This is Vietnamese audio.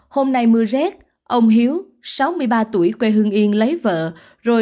hôm nay mưa rét ông hiếu sáu mươi ba tuổi quê hương yên lấy vợ rồi